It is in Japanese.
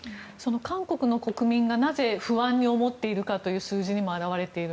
韓国の国民がなぜ不安に思っているかという数字にも表れている。